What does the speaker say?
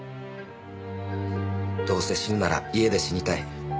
どうせ死ぬなら家で死にたい。